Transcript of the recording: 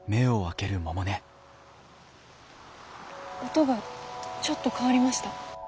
音がちょっと変わりました。